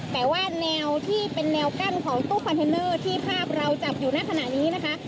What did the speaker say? แต่ว่าแนวที่เป็นแนวกั้นของตู้คอนเทนเนอร์ที่ภาพเราจับอยู่ในขณะนี้นะคะ